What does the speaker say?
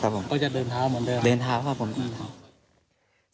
ผมจะเดินเท้าเหมือนเดิม